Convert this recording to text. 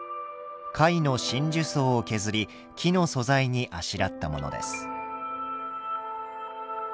貝の真珠層を削り木の素材にあしらったものです。